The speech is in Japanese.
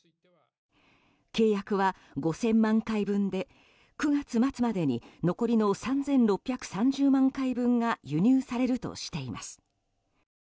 契約は５０００万回分で９月末までに残りの３６３０万回分が輸入されるとしています。